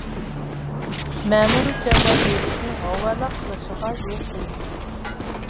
مەمۇرىي جازا بېرىشنى ھاۋالە قىلىشىغا يول قويۇلمايدۇ.